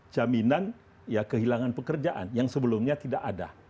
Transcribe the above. jaminan ya kehilangan pekerjaan yang sebelumnya tidak ada